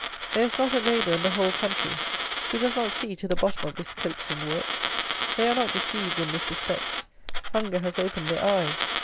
There is not a labourer in the whole country who does not see to the bottom of this coaxing work. They are not deceived in this respect. Hunger has opened their eyes.